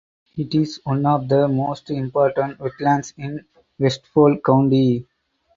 It is one of the most important wetlands in Vestfold County.